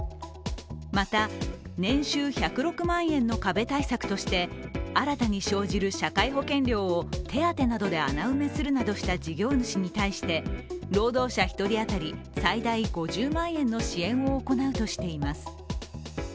また、年収１０６万円の壁対策として新たに生じる社会保険料を手当などで穴埋めするなどした事業主に対して労働者１人当たり、最大５０万円の支援を行うとしています。